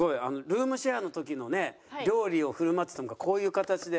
ルームシェアの時のね料理を振る舞ってたのがこういう形で。